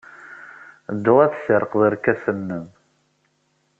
Ddu ad tessirrqed irkasen-nnem!